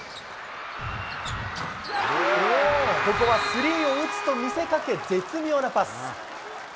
ここはスリーを打つと見せかけ絶妙なパス。